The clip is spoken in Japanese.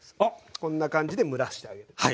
こんな感じで蒸らしてあげる。